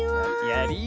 やり。